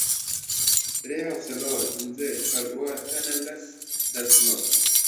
درې